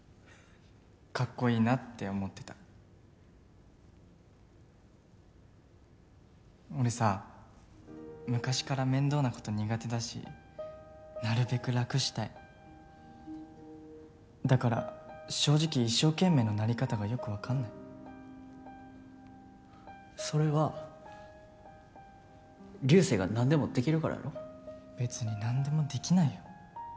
かっこいいなって思ってた俺さ昔から面倒なこと苦手だしなるべく楽したいだから正直一生懸命のなり方がよく分かんないそれは竜星が何でもできるからやろべつに何でもできないよ